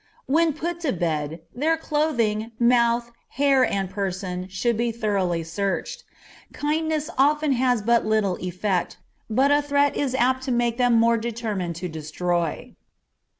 When put to bed their clothing, mouth, hair, and person should be thoroughly searched. Kindness often has but little effect, but a threat is apt to make them more determined to destroy.